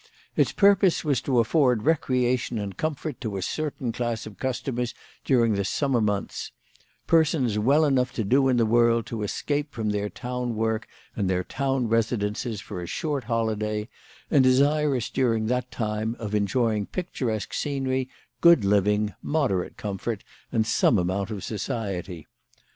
Its purpose was to afford recreation and comfort to a certain class of customers during the summer months, persons well enough to do in the world to escape from their town work and their town residences for a short holiday, and desirous during that time of enjoying picturesque scenery, good living, moderate comfort, and some amount of society.